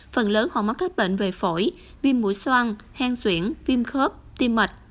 phần lớn họ mắc các bệnh về phổi viêm mũi xoan hèn xuyển viêm khớp tim mật